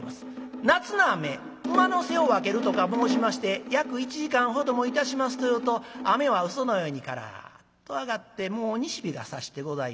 「夏の雨馬の背を分ける」とか申しまして約１時間ほどもいたしますというと雨はうそのようにカラッと上がってもう西日がさしてございます。